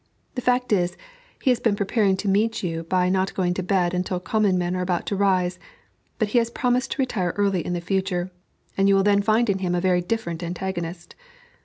The fact is, he has been preparing to meet you by not going to bed until common men are about to rise, but he has promised to retire early in future, and you will then find in him a very different antagonist."